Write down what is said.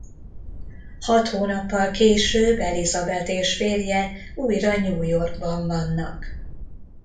Hat hónappal később Elizabeth és férje újra New Yorkban vannak.